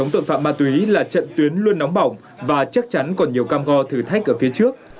tội phạm ma túy là trận tuyến luôn nóng bỏng và chắc chắn còn nhiều cam go thử thách ở phía trước